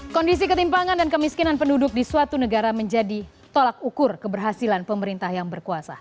kondisi ketimpangan dan kemiskinan penduduk di suatu negara menjadi tolak ukur keberhasilan pemerintah yang berkuasa